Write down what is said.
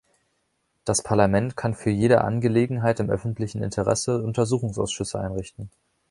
Das Parlament kann für jede Angelegenheit im öffentlichen Interesse Untersuchungsausschüsse einrichten.